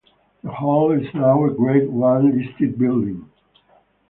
The hall is now a Grade One listed building.